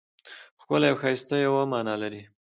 ښکلی او ښایسته یوه مانا لري.